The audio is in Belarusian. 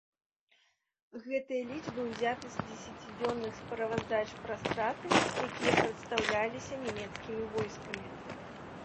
Гэтыя лічбы ўзяты з дзесяцідзённых справаздач пра страты, якія прадстаўляліся нямецкімі войскамі.